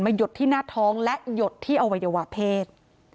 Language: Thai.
หยดที่หน้าท้องและหยดที่อวัยวะเพศ